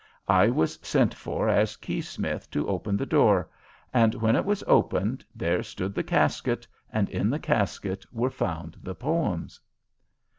I was sent for as keysmith to open the door, and when it was opened there stood the casket, and in the casket were found the poems.